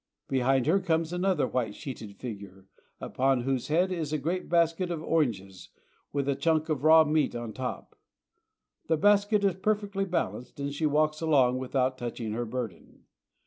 Behind her comes another white sheeted figure, upon whose head is a great basket of oranges with a chunk of raw meat on top. The basket is perfectly balanced, and she walks along without touching her burden.